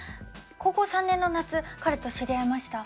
高校３年の夏彼と知り合いました。